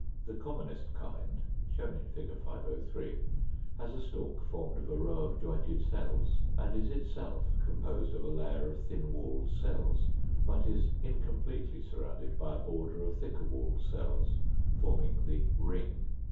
The commonest kind (shown in Fig. 503) has a stalk formed of a row of jointed cells, and is itself composed of a layer of thin walled cells, but is incompletely surrounded by a border of thicker walled cells, forming the RING.